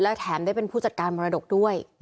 และแถมได้เป็นผู้จัดการมรดกด้วย